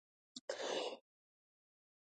رښتيا ويل د باور بنسټ دی.